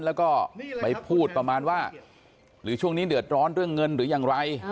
แล้วก็ไปพูดประมาณว่าหรือช่วงนี้เดือดร้อนเรื่องเงินหรืออย่างไร